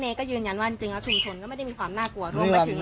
ก็ยืนยันว่าจริงแล้วชุมชนก็ไม่ได้มีความน่ากลัวรวมไปถึง